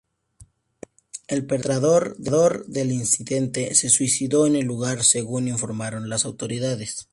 El perpetrador del incidente se suicidó en el lugar, según informaron las autoridades.